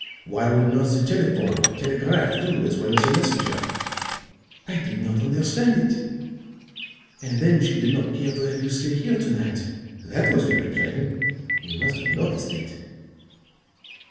Why would not the telephone or telegraph do as well as a messenger? I did not understand it. And then she did not care to have you stay here to night; that was very plain you must have noticed it."